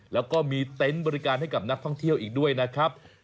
แล้วก็มีเต็นต์บริการให้กับนักท่องเที่ยวอีกด้วยนะครับ